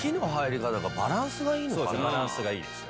バランスがいいですよね。